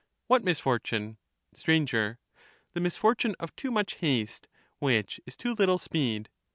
What misfortune ? Str, The misfortune of too much haste, which is too little speed.